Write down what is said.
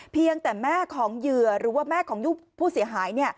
เพียงแต่แม่ของเหยื่อหรือว่าแม่ของผู้เสียหาย